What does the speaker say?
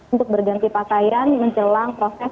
untuk berganti pakaian menjelang proses